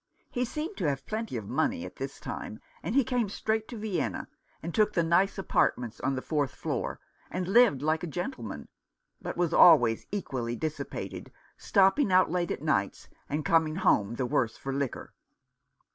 He seemed to have plenty of money at this time, and he came straight to Vienna, and took the nice apartments on the fourth floor, and lived like a gentleman, but was always equally dissipated, stopping out late at nights, and coming home the worse for liquor.